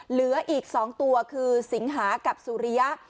เหลืออีก๒ตัวคือสิงหากับสุริยะ